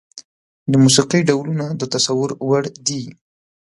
د موسيقي ډولونه د تصور وړ دي.